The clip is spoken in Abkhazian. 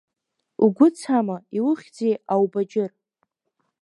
Угәы цама, иухьзеи аубаџьыр?